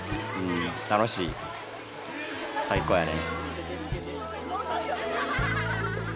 楽しい最高やね。